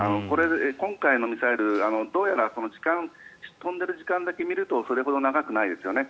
今回のミサイル、どうやら飛んでいる時間だけ見るとそれほど長くないですよね。